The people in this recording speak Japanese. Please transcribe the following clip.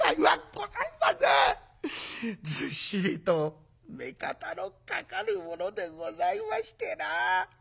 ずっしりと目方のかかるものでございましてな。